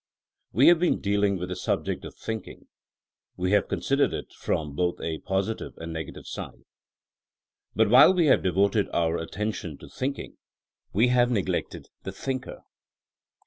WE have been dealing with the subject of thinking. We have considered it from both a positive and negative side. Bnt while we have devoted our attention to thinking, we have neglected the thinker.